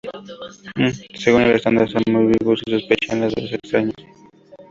Según el estándar son muy vivos y sospechan de los extraños.